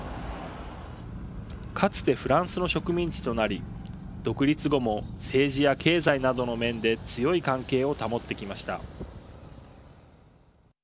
かつてフランスの植民地となり独立後も政治や経済などの面で強い関係を保ってきました。